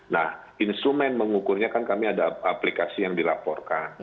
nah instrumen mengukurnya kan kami ada aplikasi yang dilaporkan